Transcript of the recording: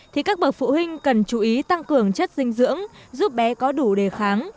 thì các bậc phụ huynh cần chú ý tăng cường chất dinh dưỡng giúp bé có đủ đề kháng